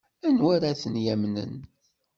Anwa ara ten-yamnen?